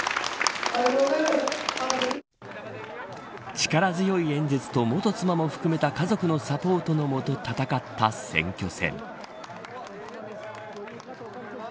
力強い演説と元妻も含めた家族のサポートのもと戦った選挙戦。